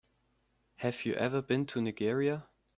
Have you ever been to Nigeria?